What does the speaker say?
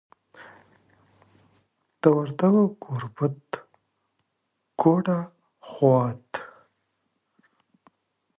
د وردګو ګوربت، ګوډه، خوات